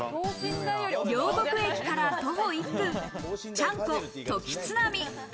両国駅から徒歩１分、ちゃんこ時津浪。